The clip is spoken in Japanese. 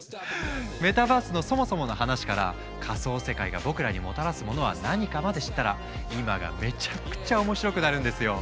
メタバースのそもそもの話から仮想世界が僕らにもたらすものは何かまで知ったら今がめちゃくちゃ面白くなるんですよ！